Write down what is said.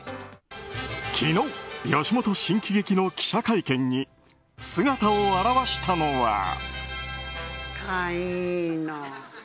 昨日、吉本新喜劇の記者会見に姿を現したのは。